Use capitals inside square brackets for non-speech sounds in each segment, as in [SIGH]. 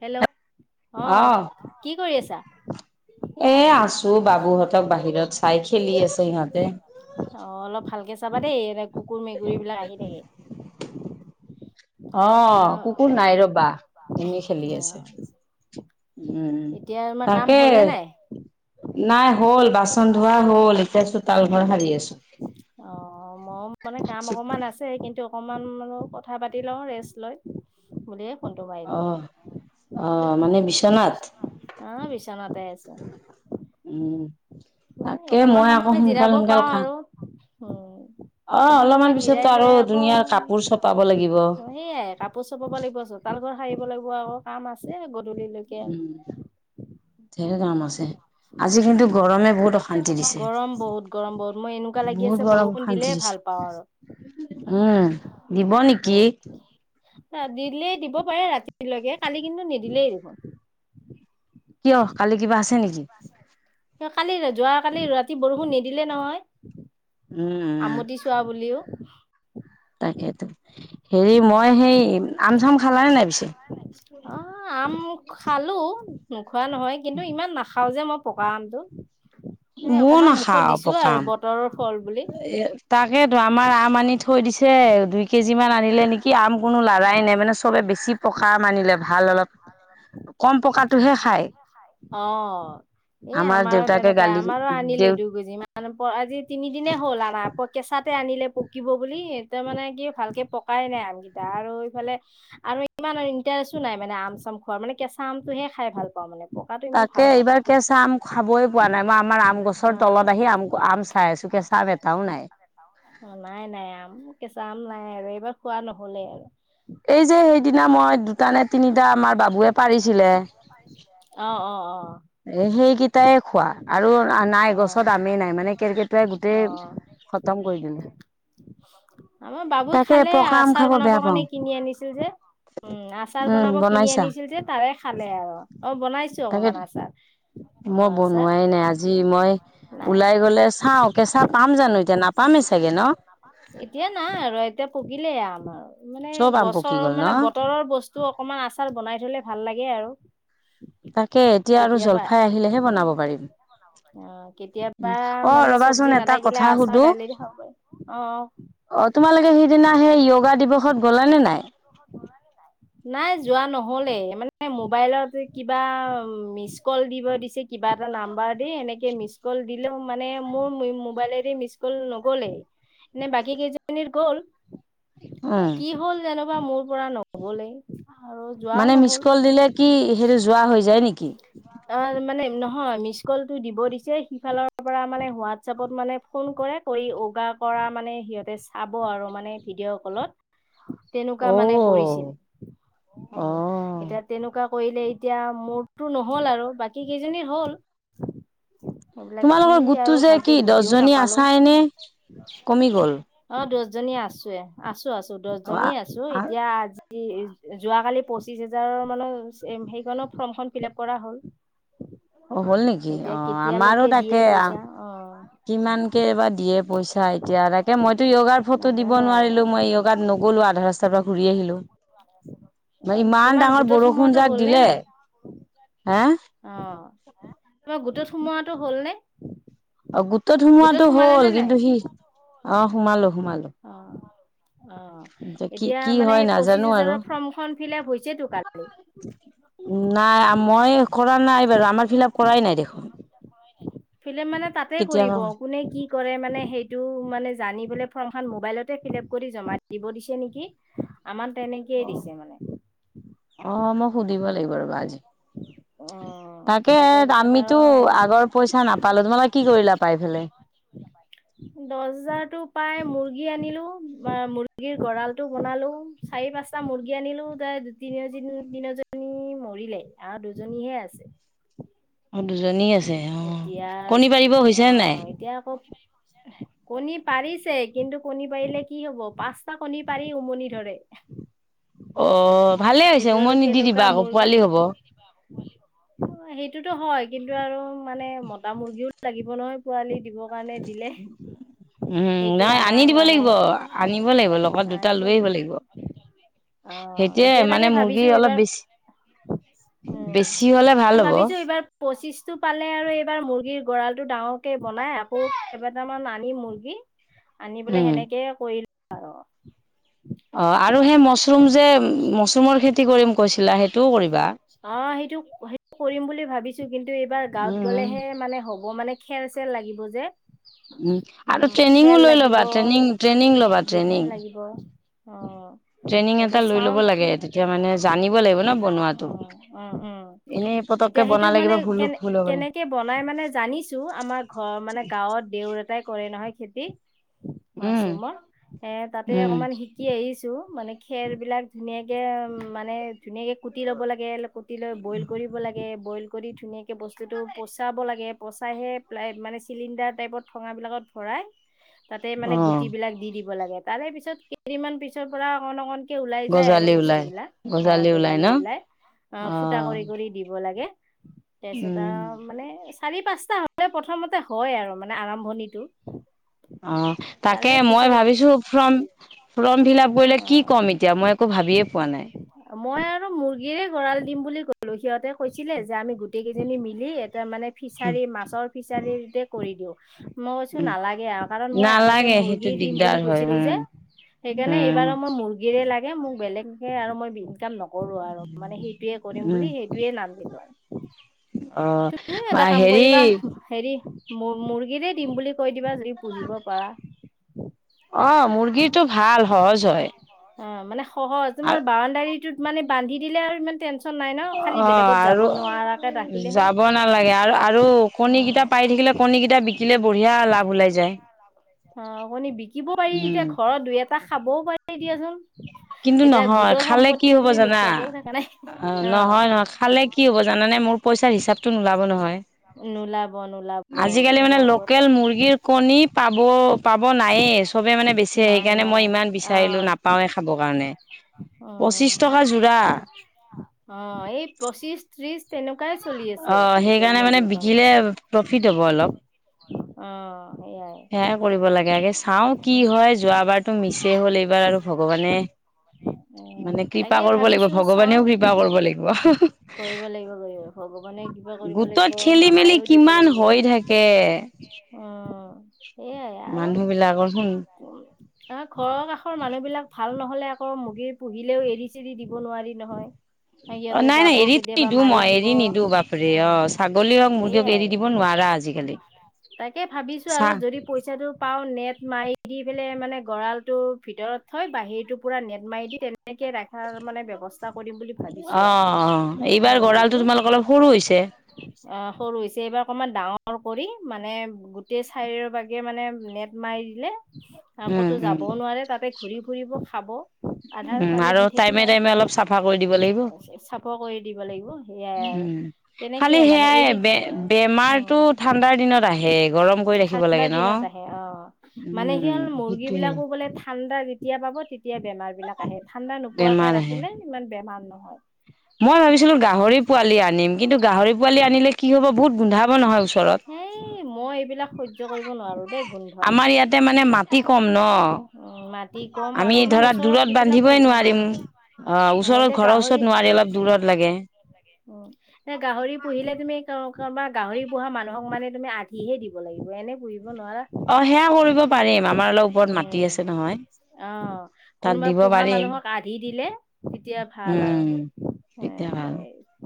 Hello অ আহ কি কৰি আছা। এ আছো বাবু হঁতক বাহিৰত চাই, খেলি আছে সিহঁতে। অ' অলপ ভালকে চাবা দেই, এনে কুকুৰ মেকুৰীবিলাক আহি থাকে। অ' আহ কুকুৰ নাই ৰবা, এনেই খেলি অ আছে। উম এতিয়া আমাৰ কাম তাকে, হ'লে নাই নাই হ'ল। বাচন ধোৱা হ'ল, এতিয়া চোতাল ঘৰ সাৰি আছো। ম মানে কাম অকমান আছে কিন্তু অকণমান মানো কথা পাতি লওঁ ৰেষ্ট লৈ বুলি। আহ আহ মানে বিছনাত। হা বিছনাতে আছো। উম এ তাকে অকমান মই আকৌ সময় সোনকাল জিৰাব সোনকাল পাওঁ কাম আৰু, অ উম অকমান অলপমান সময় পিছতো জিৰাই আৰু লৈ আকৌ ধুনীয়াৰ কাপোৰ চপাব লাগিব সেইয়াই কাপোৰ চবাব লাগিব চোতাল ঘৰ সাৰিব লাগিব আকৌ কাম আছে গধূলিলৈকে আৰু। ঢেৰ কাম আছে। আজি কিন্তু গৰমে বহুত অশান্তি দিছে, গৰম বহুত গৰম বহুত মই এনেকুৱা লাগি আছে বহুত গৰম বৰষুণ অশান্তি দিছে। [UNINTELLIGIBLE] উম দিব নেকি। দিলেই দিব পাৰে ৰাতিলৈকে, কালি কিন্তু নিদিলেই দেখোন। কিয়, কালি কিবা আছে নেকি। কালি যোৱাকালি ৰাতি বৰষুণ নিদিলে নহয়। উম আমতি চোৱা বুলিও তাকে তাকেই হেৰি মই সেই আম চাম খালানে নাই পিছে? অ আম খালো নোখোৱা নহয় কিন্তু ইমান নাখ খাওঁ যে মই পকা আমটো স ময়ো অকণমান মুখত নাখাওঁ দিছোঁ পকা আৰু আম বতৰৰ ফল বুলি এ তাকেইতো আমাৰ আম আনি থৈ দিছে দুই কেজি মান আনিলে নেকি আম কোনো লাগ লৰাই নাই মানে চবে বেছি পকা মানিলে ভাল অলপ অ। কম পকাটোহে খায়। অ' এই আমাৰ আমাৰো দেউতাকে তেনেকুৱা গালি আমাৰো আনিলে দেউ দুগুজি মান ইমান আজি তিনি দিনে হ'লা আনা প্ৰ কেঁচাতে আনিলে পকিব বুলি, তাৰ মানে কি ভালকে পকাই নাই আমকেইটা। আৰু এইফালে আৰু ইমান ইণ্টাৰেষ্টো নাই মানে আম চাম খোৱাৰ, মানে কেঁচা আমটোহে খাই ভাল পাওঁ মানে পকাটো ইমান তাকে ভাল নাপাওঁ। এইবাৰ কেঁচা আম খাবই পোৱা নাই মই আমাৰ আম গছৰ তলত আহি আম আম চাই আছো কেঁচা। চ ব এটাও নাই। নাই নাই আম কেঁচা আম নাই আৰু এইবাৰ খোৱা নহলেই আৰু এই যে সেইদিনা মই দুটা নে তিনিটা আমাৰ বাবুৱে পাৰিছিলে। অ, অ, এ সেইকেইটাই খোৱা আৰু নাই অ', গছত আমেই নাই মানে কে কেটকেটোৱাই গোটেই। অ'। খতম কৰি দিলে। আমাৰ বাবু তাকে খালে পকা আম খাব আচাৰ বেয়া বনাবৰ পাওঁ কাৰণে কিনি আনি যে উম আচাৰ উম বনাব কিনি বনাইছা আনিছিল যে খালে আৰু অ বনাইছো তাকে অকমান আচাৰ আমৰ মই আচাৰ বনোৱাই নাই আজি মই নাই। ওলাই গলে চাও কেঁচা পাম জানো এতিয়া নাপামেই চাগে ন। এতিয়া নাই আৰু এতিয়া পকিলে আম। মানে চব আম পকি বছৰৰ গল ন মানে বতৰৰ বস্তু অকমান আচাৰ বনাই থলে ভাল লাগে আৰু তাকে এতিয়া আৰু কেতিয়াবা। জলফাই আহিলেহে উম, বনাব পাৰিম অ কেতিয়াবা অ মানে চব্জি ৰবাচোন এটা নাথাকিলে কথা আচাৰ সুধো দালি দি খাব পাৰি অ আহ তোমালোকে সিদিনা সেই য়োগা দিৱসত গ'লা নে নাই নাই যোৱা নহলে মানে মোবাইলত কিবা মিচ কল দিব দিছে কিবা এটা নাম্বাৰ দি এনেকে মিচ কল দিলেও মানে মোৰ মোবাইলেৰে মিচ কল নগ'লেই নে বাকী কেইজনীৰ গ'ল উম কি হ'ল যেনবা মোৰ পৰা নহলেই মানে মিচকল দিলে কি সেইটো যোৱা হৈ যায় নেকি অ মানে নহয় মিচ কলটো দিব দিছে সিফালৰ পৰা মানে হোৱাটছপত মানে ফোন কৰি গা কৰা মানে সিহঁতে চাব আৰু মানে ভিডিঅ' কলত তেনেকুৱা মানে কৰিছিল অ', উ অ'। এতিয়া তেনেকুৱা কৰিলে এতিয়া মোৰ টো নহল আৰু বাকী কেইজনীৰ হ'ল এইবিলাক কি তোমালোকৰ আৰু গোটতটো যে ভালকে কি দহ বুজিও জনী নাপালো। আছানে কমিগ'ল জনী আছোে আছো আছো দহজনী আছো এতিয়া অ', আজি যোৱাকালি পঁচিশ হোজাৰৰ মানৰ সেইখনত ফৰ্মখন ফিল আপ কৰা হ'ল। হ'ল নেকি এতিয়া অ আমাৰো কেতিয়ালৈকে দিয়ে তাকে পইচা অ', কিমান কে এবাৰ দিয়ে পইচা এতিয়া তাকে মইতো য়োগাৰ ফটো দিব নাজানো আৰু। নোৱাৰিলো মই য়োগাত নগলো আধা ৰাস্তাৰ পৰা ঘূৰি আহিলো [UNINTELLIGIBLE] ম অ', ইমান তোমাৰ ডাঙৰ গোটত বৰষুণ সোমোৱাটো জাক হ'ল নে দিলে নাই? হা হ সোমোৱাটো হ'ল নে অ গোটত সোমোৱাতটো সোমালে হ'ল নে নাই? কিন্তু সি অ সোমালো সোমালো অ'। অ' কি এতিয়া কি মানে হয় পঁচিশ নাজানো আৰু হাজাৰৰ ফৰ্মখন ফিল আপ হৈছেতো কালি। নাই মই কৰা নাই বাৰু! আমাৰ ফিল আপ কৰাই নাই দেখোন। ফৰ্ম ফিলাপ কৰাই নাই। ফিলেম মানে তাতে কেতিয়াবা কৰিব, কোনে কি কৰে মানে সেইটো মানে জানিবলে ফৰ্ম মবাইলতে ফিল কৰি জা দিব দি নেকি আ তেনেকয়েই দিছে মানে অ' মই সুধিব লাগিব ৰব আজি অ', তাকে তাৰপিছত আমিতো আৰু এনেকে আগৰ পইচা নাপালো তোমালে কি কৰিলা পাই ফে ধন্যবাদ দছ হাজাৰতো পাই মুৰ্গী আনিলো মুৰ্গীৰ গড়ালটো বনালো চাৰি চাৰি-পাঁচটা মুৰ্গী আনিলো তাৰ [UNINTELLIGIBLE] মৰিলে আৰু দুজনীহে আছে। অ, দুজনী আছে অ, এতিয়া কণী পাৰিব হৈছে নে নাই? অ', এতিয়া আকৌ কণী পাৰিছে। কিন্তু কণী পাৰিলে কি হব পাঁচটা কণী পাৰি উমনি ধৰে। অ, ভালে হৈছে সেইটো উমনী দি দিবা আকৌ পোৱালি হ'ব। হলি হব [UNINTELLIGIBLE] এইটোতো হয় কিন্তু আৰু মানে মতা মুৰ্গীও লাগিব নহয় পোৱালি দিব। মানে দিলে। উম, সেইটো নহয় আনি আনাই দিব হোৱা নাই লাগিব আনিব লাগিব লগত দুটা লৈ আহিব লাগিব। অ', সেইতিয়ে এতিয়া মানে তাকে মুৰ্গী ভাবিছো অলপ এইবাৰ বেছ বেছি হলে ভাল হ'ব। তো এইবাৰ পঁচিছ টো পালে আৰু এইবাৰ মুৰ্গীৰ গঁৰা়লটো ডাঙৰকে বনাই আকৌ কেইবেটামান আনিম মুৰ্গী আনি পেলাই উম সেনেকে কৰি [UNINTELLIGIBLE] অ, আৰু সেই মছৰুম যে মছৰুমৰ খেতি কৰিম কৈছিলা সেইটোও কৰিবা। অ, সেইটো -সেইটো কৰিম বুলি ভাবিছো কিন্তু এইবাৰ গাঁৱত উম, গ'লেহে মানে হ'ব মানে খেল চেৰ লাগিব যে। উম, আৰু খেৰ ট্ৰেইনিঙো লৈ লাগিব ল'বা ট্ৰেইনিং -ট্ৰেইনিং ল'বা বিধান ট্ৰেইনিং। লাগিব অ', ট্ৰেইনিং সেইটো এটা লৈ চাও ল'ব কি লাগে তেতিয়া মানে জানিব লাগিব ন' বনোৱা অ', অ', অ', এতিয়া সেইটো বনালে মানে, কিবা ভুলো কেনে ভুল হ'ব পাৰে। কেনেকে বনাই মানে জানিছো, আমাৰ ঘৰ মানে গাঁৱত দেউ গৰু এটাই কৰে নহয় খেতি, উম, মাছৰুমৰ এহ তাতে উম, অকমান শিকি আহিছো মানে খেৰ বিলাক ধুনীয়াকে উহ, মানে ধুনীয়াকে কুটি লব লাগে, কুটি লৈ বইল কৰিব লাগে বইল কৰি ধুনীয়াক বস্তুটো পচাব লাগে, পচাইহে মানে চিলিণ্ডাৰ টাইপত বিলাকত ভৰাই তাতে মানে গুটি অ', বিলাক দি দিব লাগে, তাৰে পিছত কেইদিনমান পিছৰ পৰা অকণ অকণ একে ওলাই যায় আৰু গজালি বস্তু ওলাই বিলাক, অহ গজালি ন? ওলাই, আহ ফুটা অ', কৰি কৰি দিব লাগে তেজ এটা উম, মানে চাৰি পাঁচটা হলে প্ৰথমতে হয় আৰু মানে আৰম্ভণিটো অহ তাৰে তাকে মই পিছত ভাবিছো, ফৰ্ম ফৰ্ম ফিল আপ কৰিলে কি কম এতিয়া মই একো ভা অ ভাবিয়ে পোৱা নাই। মই আৰু মুৰ্গীৰে গড়াল দিম বুলি কলো, সিহঁতে কৈছিলে যে আমি গোটেই কেইজনী মিলি তাৰ মানে উম, ফিচাৰি মাছৰ ফিচাৰিতে কৰি দিওঁ। মই কৈছো উম, নালাগে আৰু কাৰণ মই আগতে নালাগে সেইটো মুৰ্গী দিম দিগদাৰ বুলি হয় কৈছিলো উম, যে। সেইকাৰণে উম, এইবাৰো মই মুৰ্গীৰে লাগে মোক বেলেগকে আৰু মই ইনকাম নকৰো আৰু মানে সেইটোৱে কৰিম উম, বুলি সেইটোয়ে নাম দিলো আৰু। অ', তুমিও বা এটা কাম কৰিবা হেৰি হেৰি মুৰ্গীৰে দিম বুলি কৈ দিবা যদি পুহিব পাৰা। অ' মুৰ্গীটো ভাল সহজ হয়। অ' মানে সহজ তোমাৰ আৰু বাউণ্ডাৰীটোত মানে বান্ধি দিলে আৰু ইমান তেন অ' আৰু ৰাখিলে হ'ল যাব নালাগে আৰু আৰু কণী কেইটা পাই থাকিলে কণী কেইটা বিকিলে বঢ়িয়া লাভ ওলাই যায়। অ কণি বিকিব পাৰি, উম। এতিয়া ঘৰত দুই এটা খাবও পাৰি দিয়াচোন কিন্তু এতিয়া নহয়, গোটৰ খালে কি কি সম্পত্তি হব বুলি জানা, নোখোৱাকেও থকা নাই অ নহয় নহয় খালে কি হ'ব জানানে মোৰ পইচাৰ হিচাপতটো নোলাব নহয়। নোলাব নোলাব আজিকালি মানে নোলাব ত লোকেল মুৰ্গীৰ কণী পাব, পাব নায়ে চবে মানে বেছে, সেইকাৰণে মই ইমান বিচাৰিলো নাপাওৱে খাব কাৰণে, পঁচিছ অহ এই পঁচিশ ত্ৰিশ তেনেকুৱাই চলি আছে অ' লোকেল সেইকাৰণে মানে মুৰ্গীৰ কণী বিকিলে প্ৰফিট হ'ব অলপ। অ সেইয়াই সেয়াই কৰিব লাগে আগে চাও কি হয়। আৰু ভগৱানে অ মানে কি তাকে কৃপা কৰিব লাগিব ভাবিছো চাও ভগৱানেও কৃপা কি কৰিব লাগিব। ৱানেও কিবা কৰিব গোটত লাগিব খেলি মেলি মামায়ো দিব কিমান লাগিব হৈ থাকে উ সেয়াই আৰু মানুহ বিলাকৰ শুন ঘৰৰ কাষৰ মানুহ মানুহবিলাক ভাল নহলে আকৌ মুৰ্গীৰ পুহিলেও এৰি চেৰি দিব নোৱাৰি নহয়। অ সিহঁতে নাই নাই যাব এৰিত কেতিয়াবা নিদো মাৰি মই দিব এৰি অ নিদো বাপৰি অ' ছাগলী হওক মুৰ্গী হক সেইয়াই এৰি দিব নোৱাৰা। আজিকালি। তাকে ভাবিছো আৰু চা যদি পইচাটো পাও নেট মাৰি দি পেলে মানে গঁড়াল তৰ ভিতৰত থৈ বাহিৰতটো পুৰা নেট মাৰি দি তেনেকে ৰখাৰ মানে ব্যৱস্থা কৰিম বুলি ভাবিছো অ' আৰু অ' এইবাৰ গঁৰালতটো তোমালোকৰ অলপ সৰু হৈছে? অ' সৰু হৈছে এইবাৰ অকণমান ডাঙৰ ডাঙৰ কৰি মানে গোটেই চাইৰ বাগেৰে মানে নেট মাৰি দিলে আকৌ উম তো উম যাবও নোৱাৰে তাতে ঘূৰি ফুৰিব খাব উম, আৰু টাইমে টাইমে অলপ চাফা কৰি দিব [UNINTELLIGIBLE] লাগিব চাফাও কৰি দিব লাগিব সেয়াই আৰু উম খালি তেনেকেই মানে সেয়াই এৰি বে বেমাৰটো উম ঠাণ্ডাৰ দিনত আহে গৰম কৰি ৰাখিব ঠাণ্ডা লাগে ন? দিনত আহে অ মানে সি উম, হ'ল মুৰ্গী সেইটোৱে বিলাকো বোলে থা ঠাণ্ডা যেতিয়া পাব তেতিয়া বেমাৰ বিলাক আহে ঠাণ্ডা নোপোৱাকে বেমাৰ আহে ৰাখিলে ইমান বেমাৰ নহয় মই ভাবিছিলো গাহৰি পোৱালি আনিম কিন্তু গাহৰি পোৱালি আনিলে কি হ'ব বহুত গোন্ধাব নহয় ওচৰত। সেই মই এইবিলাক সহ্য কৰিব নোৱাৰো দেই গোন্ধ আমাৰ ইয়াতে মানে মাটি কম ন উ, মাটি কম আমি আৰু ইমান ধৰা দূৰত ওচৰত এই বিলাক বান্ধিবই পুহিব নোৱাৰিম ন অ 'ওচৰত ঘৰৰ ওচৰত নোৱাৰি অলপ দূৰত লাগে। উ এনে গাহৰি পুহিলে তুমি ক বা গাহৰি পোহা মানুহক মানে তুমি আধিহে দিব লাগিব এনে পুহি অ' সেয়া কৰিব পাৰিম আমাৰ অলপ ওপৰত মাটি উম আছে নহয়। অ' তাত কোনোবা দিব পোহা পাৰিম মানুহক আ দি দিলে তেতিয়া ভাল উম আৰু। তেতিয়া ভাল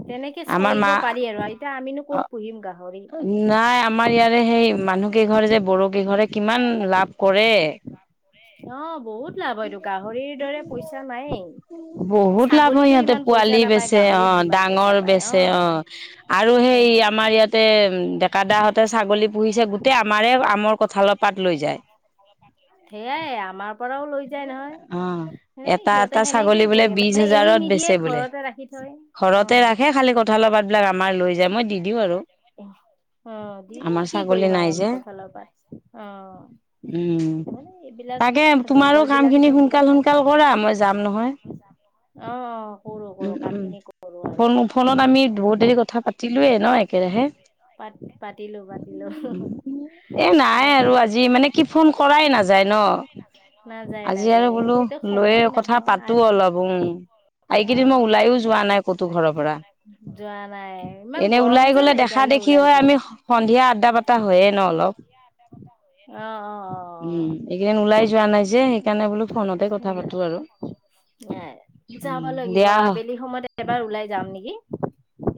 তেনেকে আমাৰ চলিব মা পাৰি আৰু এতিয়া আমিনো অ ক'ত পুহিম গাহৰি। নাই আমাৰ ইয়াৰে সেই মানুহকেইঘৰে যে বৰকেইঘৰে কিমান লাভ কৰে অ বহুত লাভ হয়টো গাহৰিৰ দৰে পইচা নায়েই। বহুত লাভ হয় ছাগলীতো ইিহঁতে ইমান পইচা পোৱালি নাপায় বেচে গাহৰিত অ' যিমান পইচা ডাঙৰ পায় বেচে অ' আৰু এ সেই আমাৰ ইয়াতে ডেকা দাহঁতে ছাগলী পুহিছে গোটেই আমাৰে আমৰ কথা ভাল পাত লৈ যায়। সেইয়াই আমাৰ পৰাও লৈ যায় নহয় অ এ এটা এটা সিহঁতে ছাগলী সেনেকে বোলে পঢ়ি আ বিশ মানে এৰি হাজাৰত নিদিয়ে বেচে বোলে ঘৰতে ৰাখি থয়। ঘৰতে উম। ৰাখে, খালি কঁঠালপাতবিলাক আমাৰ লৈ যায, মই দি দিওঁ আৰু। নিদিওঁ। অ' দি দিওঁ, আমাৰ কি ছাগলী কৰিম নাই আৰু আমি যে কঠালৰ পাত। অ' মানে এইবিলাক তাকে তোমাৰো জংঘল বিলাক কামখিনি দিলে সোনকাল ভাল। সোনকাল কৰা, মই যাম নহয়। অ' অ' ক'ৰো উম ক'ৰো উম কামখিনি ফোন ফোনত আমি বহুত দেৰি কথা পাতিলোয়ে ন একেৰাহে। পাত পাতিলো পাতিলো। এ নাই আৰু আজি মানে কি ফোন কৰাই নাযায় ন। নাযায় আজি আৰু নাযায় বোলো এতিয়া লৈ সময়ে কথা নাপাওঁ পাতো আজি অলপ উম। এই কেইদিন মই অ' ওলাইো যোৱা নাই ক'তো ঘৰৰ পৰা। যোৱা নাই ইমান এনে গৰম ওলাই যে গলে দেখা সেইকাৰণে দেখি ওলাই হয় যোৱা আমি নাই সন্ধিয়া আদ্দা বাত টা হয়ে ন অলপ। অ'অ'অ'অ' হে সেইকাৰণে বোলো ফোনতে কথা পাতো আৰু, যাব লাগিব দিয়া আবেলি সময়ত এবাৰ ওলাই যাম নেকি,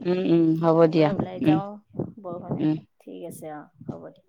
উম উম হ'ব এবাৰ দিয়া ওলাই উম যাওঁ। উম বৰষুণয়ে, ঠিক আছে অ' হ'ব দিয়া।